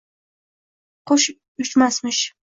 Qush uchmasmish.